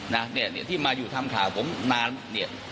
นะเนี่ยที่มาอยู่ทำข่าวผมนานเนี่ย